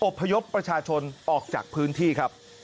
พยพประชาชนออกจากพื้นที่ครับ